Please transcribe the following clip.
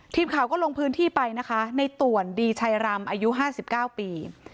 ทีมข่าวก็ลงพื้นที่ไปนะคะในต่วนดีชัยรำอายุ๕๙ปี